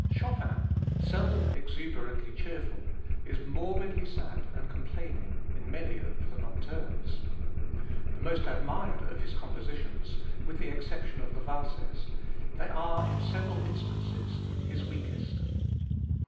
Chopin, seldom exuberantly cheerful, is morbidly sad and complaining in many of the nocturnes. The most admired of his compositions, with the exception of the valses, they are in several instances his weakest.